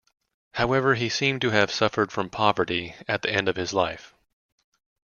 However, he seemed to have suffered from poverty at the end of his life.